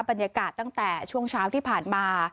บรรยากาศตั้งแต่ช่วงเช้าที่ผ่านมา